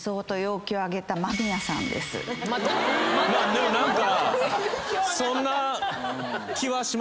でも何か。